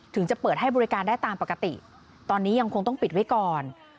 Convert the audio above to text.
จะเปิดให้บริการได้ตามปกติตอนนี้ยังคงต้องปิดไว้ก่อน